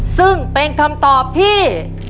ซึ่งเป็นคำตอบที่